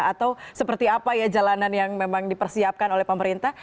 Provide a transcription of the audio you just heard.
atau seperti apa ya jalanan yang memang dipersiapkan oleh pemerintah